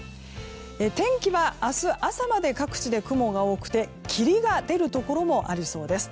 天気は明日朝まで各地で雲が多くて霧が出るところもありそうです。